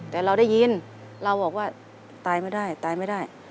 แต่เราได้ยินเราบอกว่าตายไม่ได้ตายไม่ได้